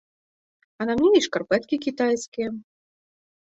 А на мне і шкарпэткі кітайскія.